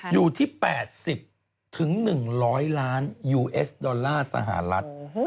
อยู่ที่๘๐๑๐๐ล้านยูเอสดอลลาร์สหรัฐ